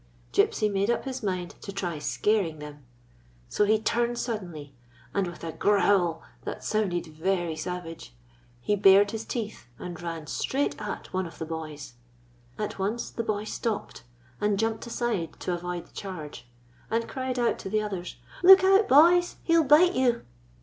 Gypsy made up his mind to try scaring them. So he suddenly turned, and, with a growl that sounded very savage, he bared his teeth and ran straight at one of the boys. At once the boy stopped, and jumped aside to avoid the charge, and cried out to the others : "Look out, boys, he 'll bite you!"